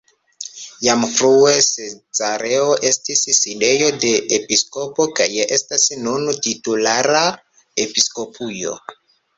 Jam frue Cezareo estis sidejo de episkopo, kaj estas nun titulara episkopujo.